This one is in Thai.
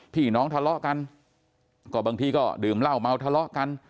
พี่น้องทะเลาะกันก็บางทีก็ดื่มเหล้าเมาทะเลาะกัน